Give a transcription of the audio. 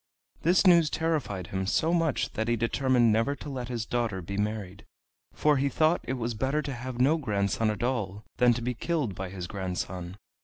This news terrified him so much that he determined never to let his daughter be married, for he thought it was better to have no grandson at all than to be killed by his grandson.